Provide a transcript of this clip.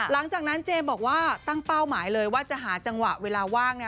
หลังจากนั้นเจมส์บอกว่าตั้งเป้าหมายเลยว่าจะหาจังหวะเวลาว่างนะ